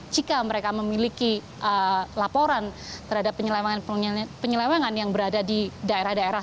jika mereka memiliki laporan terhadap penyelewengan yang berada di daerah daerah